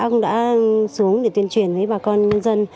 ông đã xuống để tuyên truyền với bà con nhân dân